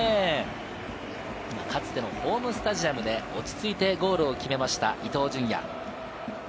かつてのホームスタジアムで落ち着いてゴールを決めました、伊東純也。